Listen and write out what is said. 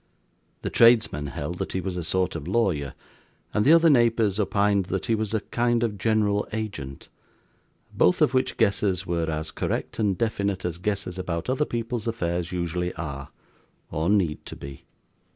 The tradesmen held that he was a sort of lawyer, and the other neighbours opined that he was a kind of general agent; both of which guesses were as correct and definite as guesses about other people's affairs usually are, or need to be.